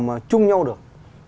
mà chung nhau được